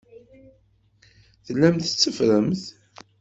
Tellamt tetteffremt.